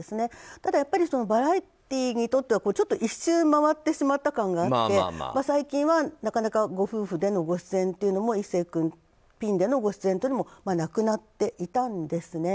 ただ、やっぱりバラエティーにとってはちょっと一周回ってしまった感があって、最近なかなかご夫婦でのご出演というのも壱成君ピンでのご出演もなくなっていたんですね。